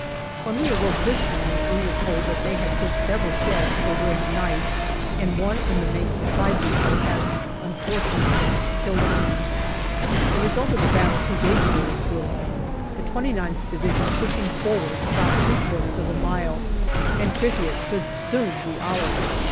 When we awoke this morning we were told that they had put several shells over in the night, and one in the Main Supply depot has unfortunately killed a man. The result of the battle two days ago was good, the 29th Division pushing forward about three quarters of a mile, and Krithia should soon be ours.